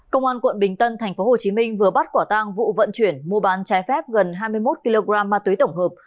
công an quận bình tân tp hcm vừa bắt quả tang vụ vận chuyển mua bán trái phép gần hai mươi một kg ma túy tổng hợp